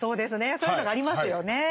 そういうのがありますよね。